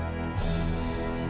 untung aku bukan penyusup